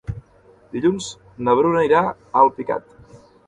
Dilluns na Bruna irà a Alpicat.